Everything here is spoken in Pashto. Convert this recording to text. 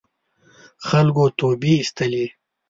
خلکو توبې اېستلې.